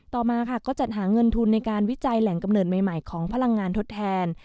ต่อมาค่ะก็จัดหาเงินทุนในการวิจัยแหล่งกำเนิดใหม่ของพลังงานทดแทน